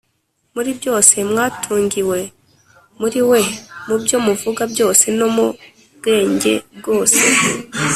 muri byose mwatungiwe muri We, mu byo muvuga byose no mu bwenge bwose,